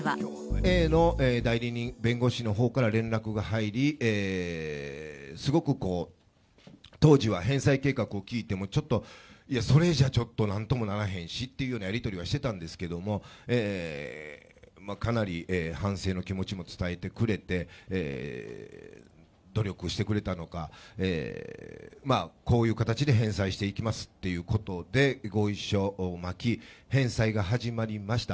Ａの代理人弁護士のほうから連絡が入り、すごくこう、当時は返済計画を聞いてもちょっと、いや、それじゃちょっと、なんともならへんしっていうようなやり取りはしてたんですけども、かなり反省の気持ちも伝えてくれて、努力してくれたのか、こういう形で返済していきますっていうことで合意書を作り、返済が始まりました。